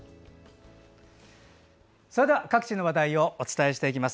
それでは各地の話題をお伝えしていきます。